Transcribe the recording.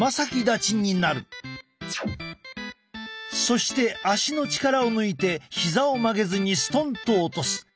そして足の力を抜いてひざを曲げずにストンと落とす。